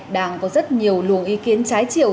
đang có rất nhiều luồng ý kiến trái chiều